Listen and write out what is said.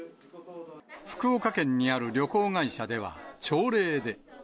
福岡県にある旅行会社では、朝礼で。